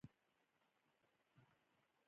په افغانستان کې خاوره د خلکو د ژوند کیفیت تاثیر کوي.